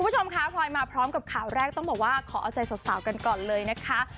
คุณผู้ชมค่ะพลอยมาพร้อมกับข่าวแรกต้องบอกว่าขอเอาใจสาวกันก่อนเลยนะคะ